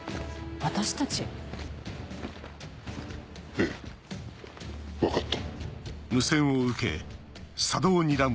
ええ分かった。